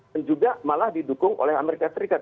dan juga malah didukung oleh amerika serikat